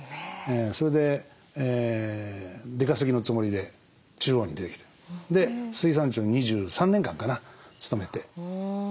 それで出稼ぎのつもりで中央に出てきてで水産庁に２３年間かな勤めて。